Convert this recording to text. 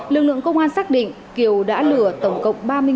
lực lượng công an xác định kiều đã lừa tổng cộng